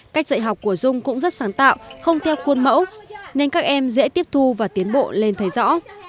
cách dạy học của dung cũng rất sáng tạo không theo khuôn mẫu nên các em dễ tiếp thu và tiến bộ lên thấy rõ